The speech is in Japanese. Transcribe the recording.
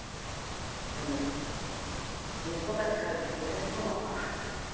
でも息子たち帰って来てうれしそうだった。